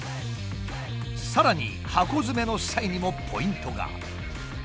さらに箱詰めの際にもポイントが。